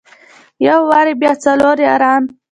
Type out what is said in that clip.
يو واري بيا څلور ياره.